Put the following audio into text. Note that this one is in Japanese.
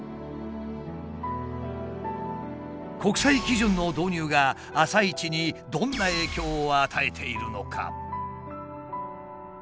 国際基準の導入が朝市にどんな影響を与えているのか？